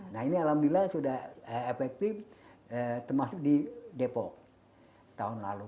nah ini alhamdulillah sudah efektif termasuk di depok tahun lalu